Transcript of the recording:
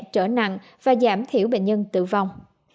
trở nặng và giảm thiểu bệnh nhân tử vong